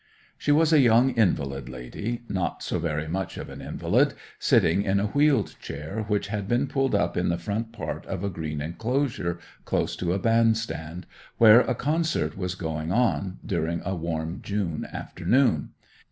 She was a young invalid lady—not so very much of an invalid—sitting in a wheeled chair, which had been pulled up in the front part of a green enclosure, close to a bandstand, where a concert was going on, during a warm June afternoon.